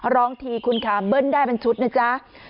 ร้องทีคุณค่ะเบิ้ลได้เป็นชุดนะจ๊ะ